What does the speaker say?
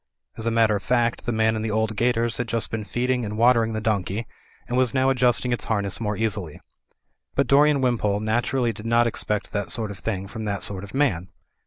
As a matter of fact, the man in the old gaiters had just been feeding and watering the donkey, and was now adjusting its harness more easily. But Dorian Wimpole naturally did not expect that sort of thing from that sort of man.